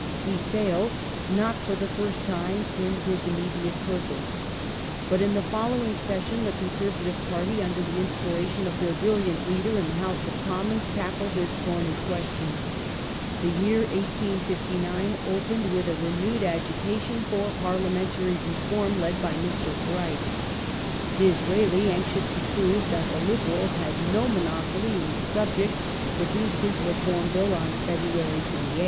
He failed, not for the first time, in his immediate purpose. But in the following session the Conservative party, under the inspiration of their bril liant leader in the House of Commons, tackled this thorny question. The year 1859 opened with a renewed agitation for parliamentary reform led by Mr. Bright. Disraeli, anxious to prove that the Liberals had no monopoly in the subject, produced his Reform Bill on February 28th.